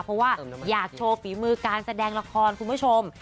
เพราะว่าอยากโชว์ฝีมือการแสดงละครคุณผู้ชม